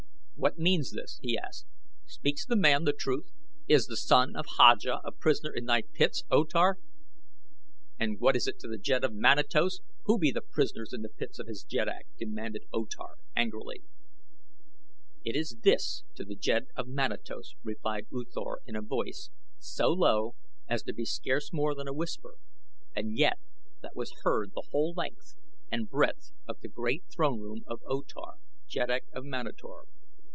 "What means this?" he asked. "Speaks the man the truth? Is the son of Haja a prisoner in thy pits, O Tar?" "And what is it to the jed of Manatos who be the prisoners in the pits of his jeddak?" demanded O Tar, angrily. "It is this to the jed of Manatos," replied U Thor in a voice so low as to be scarce more than a whisper and yet that was heard the whole length and breadth of the great throne room of O Tar, Jeddak of Manator.